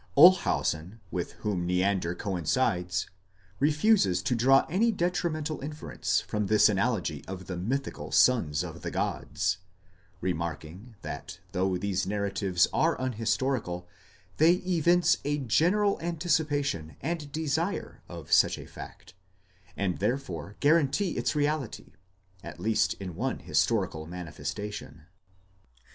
6 Olshausen, with whom Neander coincides, refuses to draw any detrimental inference from this analogy of the mythical sons of the gods; remarking that though these narratives are un historical, they evince a general anticipation and desire of such a fact, and therefore guarantee its reality, at least in one historical manifestation.